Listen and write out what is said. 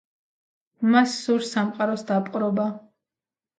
მას სურს სამყაროს დაპყრობა.